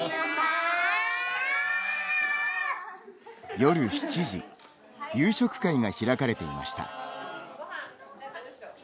夜７時夕食会が開かれていました。